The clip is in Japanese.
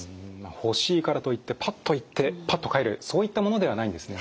欲しいからといってパッと行ってパッと買えるそういったものではないんですね。